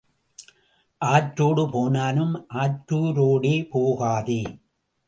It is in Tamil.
ஆற்றோடு போனாலும் ஆற்றூரோடே போகாதே.